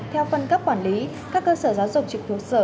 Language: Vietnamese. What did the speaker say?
theo phân cấp quản lý các cơ sở giáo dục trực thuộc sở